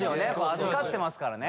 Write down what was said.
預かってますからね